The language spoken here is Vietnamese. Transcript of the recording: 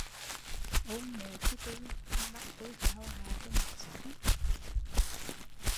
Ôn Mệ chi tui mà bắt tui phải hầu hạ cho nhọc xác